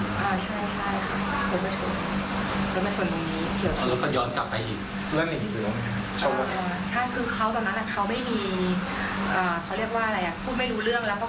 ยิงที่ไหนเหนียวค่ะนัดเดียวแต่ว่ามันเหมือนกระเด็น